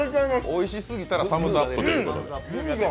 おいしすぎたらサムズアップということで。